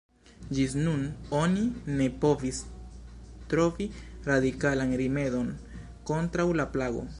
Ĝis nun oni ne povis trovi radikalan rimedon kontraŭ la plago.